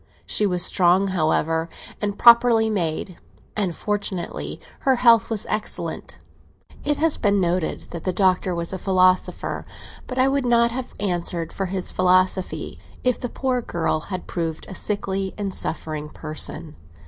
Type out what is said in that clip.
She was strong, however, and properly made, and, fortunately, her health was excellent. It has been noted that the Doctor was a philosopher, but I would not have answered for his philosophy if the poor girl had proved a sickly and suffering person.